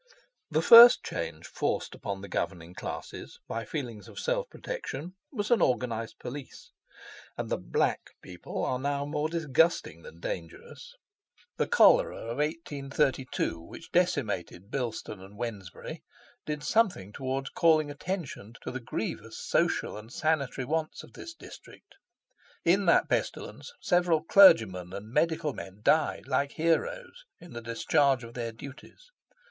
The first change forced upon the governing classes, by feelings of self protection was an organized police, and the "Black" people are now more disgusting than dangerous. The cholera of 1832, which decimated Bilston and Wednesbury, did something toward calling attention to the grievous social and sanitary wants of this district. In that pestilence several clergymen and medical men died, like heroes, in the discharge of their duties.